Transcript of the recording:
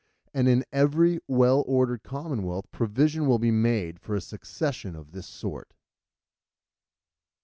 And in every well ordered commonwealth provision will be made for a succession of this sort.